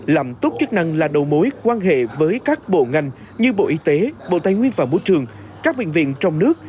làm tốt chức năng là đầu mối quan hệ với các bộ ngành như bộ y tế bộ tài nguyên và môi trường các bệnh viện trong nước